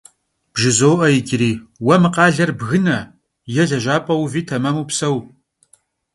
Bjjızo'e yicıri, yê mı khaler bgıne, yê lejap'e vuvi tememu pseu.